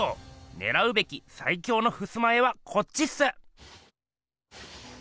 ねらうべきさい強のふすま絵はこっちっす！